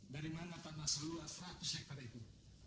dari mana tanah seluas seratus hektare itu